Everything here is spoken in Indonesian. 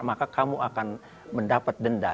maka kamu akan mendapat denda